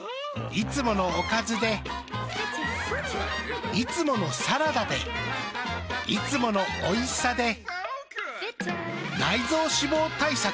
いつものおかずでいつものサラダでいつものおいしさで内臓脂肪対策。